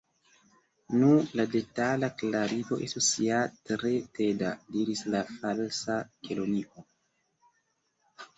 "Nu, la detala klarigo estus ja tre teda," diris la Falsa Kelonio.